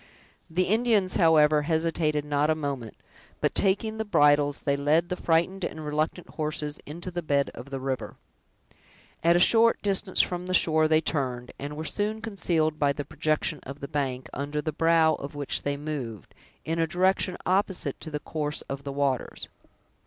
The Indians, however, hesitated not a moment, but taking the bridles, they led the frightened and reluctant horses into the bed of the river. At a short distance from the shore they turned, and were soon concealed by the projection of the bank, under the brow of which they moved, in a direction opposite to the course of the waters.